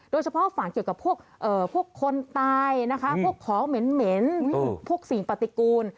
ฟังเกี่ยวกับพวกคนตายนะคะพวกของเหม็นพวกสิ่งปฏิกูล